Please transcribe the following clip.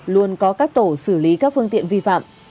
luôn có các tổ xử lý các phương tiện vi phạm